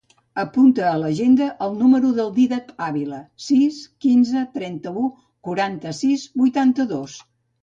Apunta a l'agenda el número del Dídac Avila: sis, quinze, trenta-u, quaranta-sis, vuitanta-dos.